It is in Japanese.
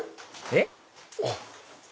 えっ？